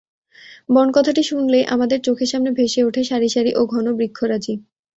বন কথাটি শুনলেই আমাদের চোখের সামনে ভেসে ওঠে সারি সারি ও ঘন বৃক্ষরাজি।